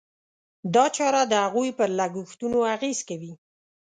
دا چاره د هغوی پر لګښتونو اغېز کوي.